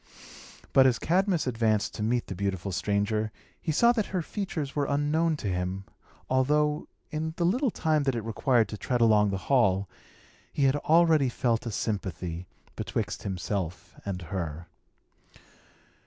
But, as Cadmus advanced to meet the beautiful stranger, he saw that her features were unknown to him, although, in the little time that it required to tread along the hall, he had already felt a sympathy betwixt himself and her.